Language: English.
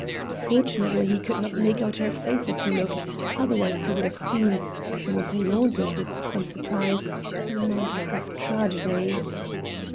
Fortunately he could not make out her face as he looked, otherwise he would have seen, as Montaiglon did with some surprise, a mask of Tragedy.